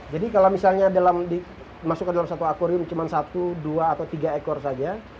jadi kalau misalnya masuk ke dalam satu aquarium cuma satu dua atau tiga ekor saja